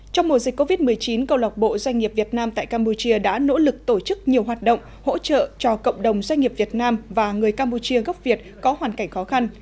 trong mùa dịch covid một mươi chín câu lọc bộ doanh nghiệp việt nam tại campuchia đã nỗ lực tổ chức nhiều hoạt động hỗ trợ cho cộng đồng doanh nghiệp việt nam và người campuchia gốc việt có hoàn cảnh khó khăn